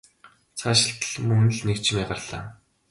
Цаашилтал мөн л нэг чимээ гарлаа.